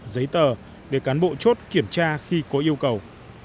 giấy tờ để cán bộ chốt kiểm tra khi có yêu cầu